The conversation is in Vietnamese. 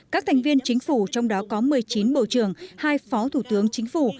các thành viên chính phủ trong đó có một mươi chín bộ trưởng hai phó thủ tướng chính phủ